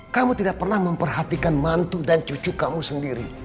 kamu tidak pernah memperhatikan mantu dan cucu kamu sendiri